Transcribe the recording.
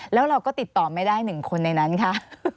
แล้วเราก็ติดต่อไม่ได้๑คนในนั้นค่ะ